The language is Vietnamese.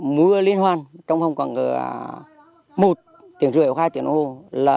mưa liên hoan trong phòng quảng một tuyển rưỡi hoặc hai tuyển hồ